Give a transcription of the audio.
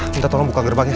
minta tolong buka gerbangnya